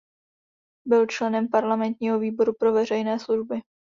Byl členem parlamentního výboru pro veřejné služby.